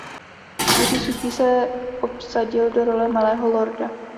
Jiří Suchý se obsadil do role Malého lorda.